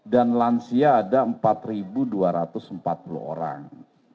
dan lansia ada empat dua ratus empat puluh orang